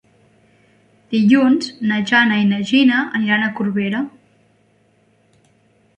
Dilluns na Jana i na Gina aniran a Corbera.